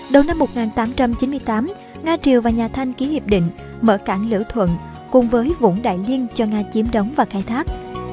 đầu năm một nghìn tám trăm chín mươi tám nga triều và nhà thanh ký hiệp định mở cảng lữ thuận cùng với vũng đại liên cho nga chiếm đóng và khai thác